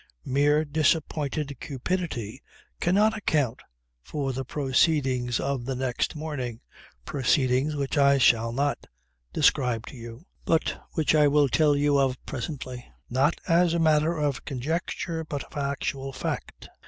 Mere disappointed cupidity cannot account for the proceedings of the next morning; proceedings which I shall not describe to you but which I shall tell you of presently, not as a matter of conjecture but of actual fact.